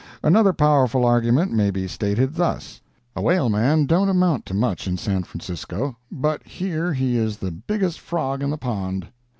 Another powerful argument may be stated thus: A whaleman don't amount to much in San Francisco, but here he is the biggest frog in the pond.